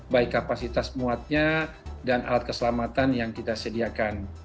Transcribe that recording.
baik kapasitas muatnya dan alat keselamatan yang kita sediakan